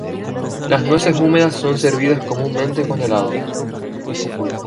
Las nueces húmedas son servidas comúnmente con helado.